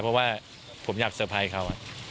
เพราะว่าผมอยากเซอร์ไพรส์เขา